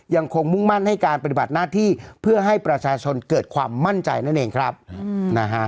มุ่งมั่นให้การปฏิบัติหน้าที่เพื่อให้ประชาชนเกิดความมั่นใจนั่นเองครับนะฮะ